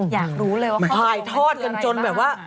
อยากรู้เลยว่าถ่ายทอดกันจนแบบว่า